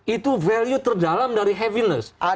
itu value terdalam dari haviness